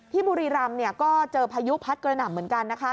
บุรีรำก็เจอพายุพัดกระหน่ำเหมือนกันนะคะ